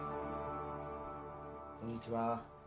こんにちは。